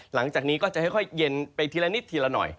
หลังจากนี้ก็จะค่อยเย็นไปทีละนิดทีละหน่อย